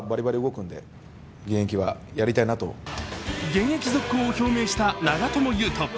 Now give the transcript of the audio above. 現役続行を表明した長友佑都。